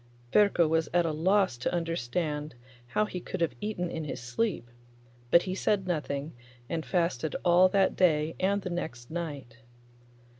Ferko was at a loss to understand how he could have eaten in his sleep, but he said nothing, and fasted all that day and the next night.